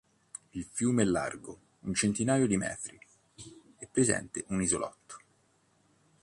Il fiume è largo un centinaio di metri e presente un isolotto.